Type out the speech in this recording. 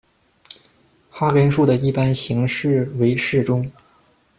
哈根数的一般形式为式中